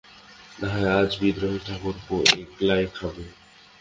নাহয় আজ বিহারী ঠাকুরপো একলাই খাইবেন।